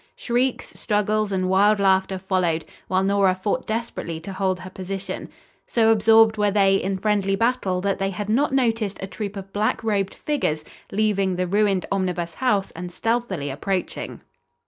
Shrieks, struggles and wild laughter followed, while Nora fought desperately to hold her position. So absorbed were they in friendly battle that they had not noticed a troop of black robed figures leaving the ruined Omnibus House and stealthily approaching.